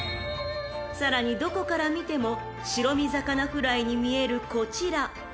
［さらにどこから見ても白身魚フライに見えるこちら］